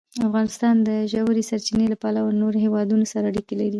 افغانستان د ژورې سرچینې له پلوه له نورو هېوادونو سره اړیکې لري.